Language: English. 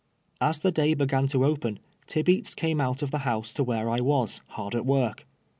109 As the day began to open, Tibeats came out of the house to where I was, hard at work.